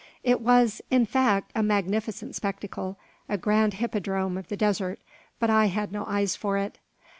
It was, in fact, a magnificent spectacle a grand hippodrome of the desert; but I had no eyes for it.